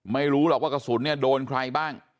ไม่รู้หรอกว่ากระสุนเนี่ยโดนใครบ้าง